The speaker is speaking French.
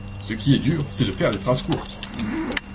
Ce qui est dur, c'est de faire des phrases courtes.